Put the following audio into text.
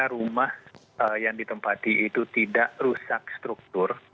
rumah yang ditempati itu tidak rusak struktur